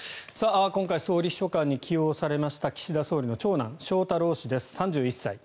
今回、総理秘書官に起用されました岸田総理の長男・翔太郎氏です。